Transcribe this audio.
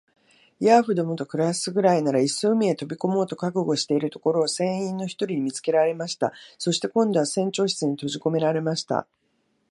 ヤーフどもと暮すくらいなら、いっそ海へ飛び込もうと覚悟しているところを、船員の一人に見つけられました。そして、今度は船長室にとじこめられました。